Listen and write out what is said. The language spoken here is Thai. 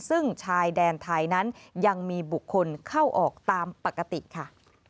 ซึ่งชายแดนไทยนั้นยังมีบุคคลเข้าออกตามปกติค่ะ